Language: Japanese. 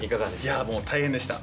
いやもう大変でした。